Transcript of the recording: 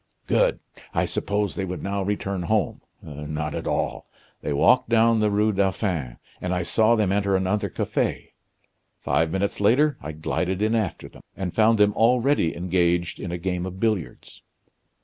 Good! I supposed they would now return home. Not at all. They walked down the Rue Dauphin; and I saw them enter another cafe. Five minutes later I glided in after them; and found them already engaged in a game of billiards."